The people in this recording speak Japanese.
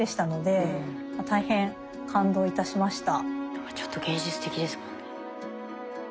何かちょっと芸術的ですもんね。